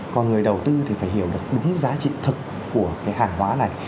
còn người đầu tư thì phải hiểu được đúng giá trị thực của cái hàng hóa này